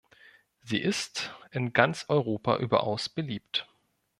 Sie ist in ganz Europa überaus beliebt.